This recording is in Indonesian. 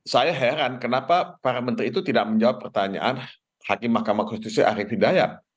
saya heran kenapa para menteri itu tidak menjawab pertanyaan hakim mahkamah konstitusi arief hidayat